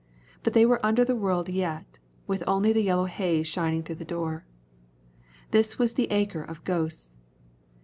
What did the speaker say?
But they were under the world yet, with only the yellow haze shining through the door. This was the acre of ghosts.